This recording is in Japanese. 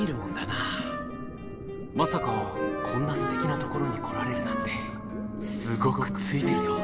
まさかこんなすてきなところに来られるなんてすごくついてるぞ。